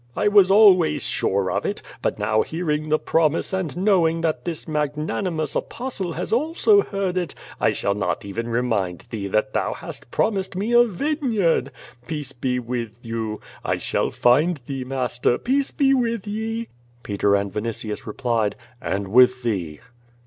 I was always sure of it, but now hearing the promise and knowing that this mag nanimous Apostle has also heard it, I shall not even remind 248 ^^^ VADI8, thee that thou hast promised me a vineyard. Pea<je be with you. I shall find thee, Master. Peace be with ye.'^ Peter and Vinitius replied: "And with thee."